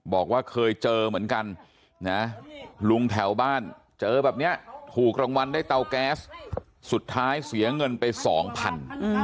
บอกว่าเคยเจอเหมือนกันนะลุงแถวบ้านเจอแบบนี้ถูกรางวัลได้เตาแก๊สสุดท้ายเสียเงินไปสองพัน